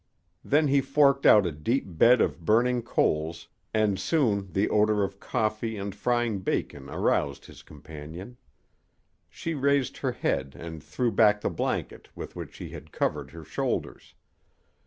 Then he forked out a deep bed of burning coals and soon the odor of coffee and frying bacon aroused his companion. She raised her head and threw back the blanket with which he had covered her shoulders.